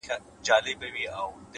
د حقیقت منل شخصیت پیاوړی کوي،